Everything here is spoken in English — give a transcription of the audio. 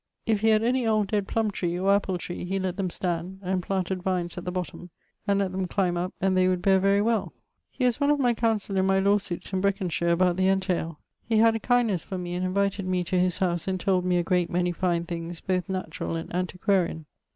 If he had any old dead plumbe tree, or apple tree, he lett them stand, and planted vines at the bottome, and lett them climbe up, and they would beare very well. He was one of my councell in my law suites in Breconshire about the entaile. He had a kindnesse for me and invited me to his house, and told me a great many fine things, both naturall and antiquarian.